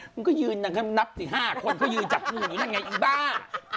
มึงก็ยืนนั่งนับ๑๕คนก็ยืนจับงูอยู่นั่งไงอีบ้า